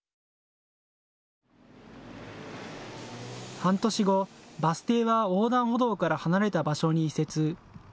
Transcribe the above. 半年後、バス停は横断歩道から離れた場所に移設。